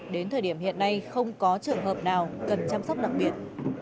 đến thời điểm hiện nay không có trường hợp nào cần chăm sóc đặc biệt